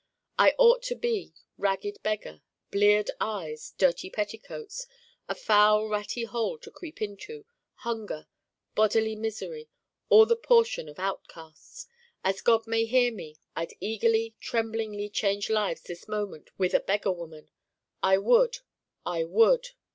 I ought to be ragged beggar bleared eyes dirty petticoats a foul ratty hole to creep into hunger bodily misery all the portion of outcasts As God may hear me I'd eagerly tremblingly change lives this moment with a beggar woman. I would I would